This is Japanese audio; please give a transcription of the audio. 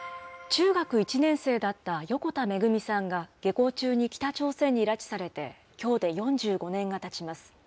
中学１年生だった横田めぐみさんが、下校中に北朝鮮に拉致されてきょうで４５年がたちます。